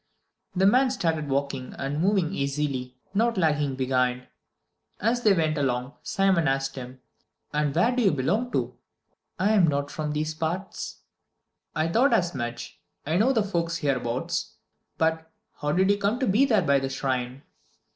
The man started walking, and moved easily, not lagging behind. As they went along, Simon asked him, "And where do you belong to?" "I'm not from these parts." "I thought as much. I know the folks hereabouts. But, how did you come to be there by the shrine?"